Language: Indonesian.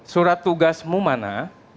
surat tugasmu mana